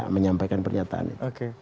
menyampaikan pernyataan itu